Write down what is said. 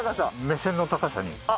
目線の高さに。